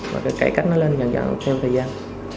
và cải cách nó lên dần dần thêm thời gian